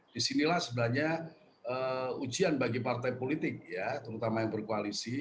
disinilah sebenarnya ujian bagi partai politik ya terutama yang berkoalisi